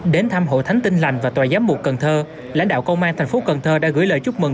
đến thăm hội thánh tinh lành và tòa giám mục cần thơ lãnh đạo công an tp cn đã gửi lời chúc mừng